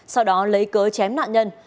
sau đó lấy cớ chém nạn nhân